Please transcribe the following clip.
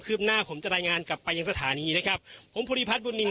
หน้าผมจะรายงานกลับไปยังสถานีนะครับผมภูริพัฒนบุญนิน